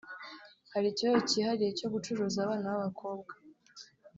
Hari ikibazo cyihariye cyo gucuruza abana b’abakobwa